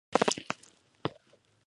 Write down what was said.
د خوړو مالیکولونه د خولې په لاړو کې حلیږي.